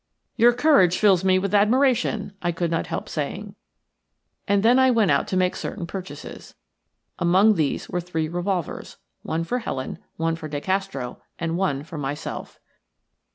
"Your courage fills me with admiration," I could not help saying, and then I went out to make certain purchases. Amongst these were three revolvers – one for Helen, one for De Castro, and one for myself.